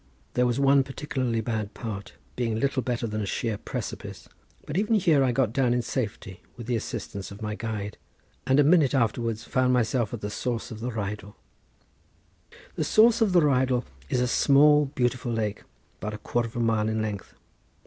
There was one particularly bad part, being little better than a sheer precipice; but even here I got down in safety with the assistance of my guide, and a minute afterwards found myself at the source of the Rheidol. The source of the Rheidol is a small, beautiful lake, about a quarter of a mile in length.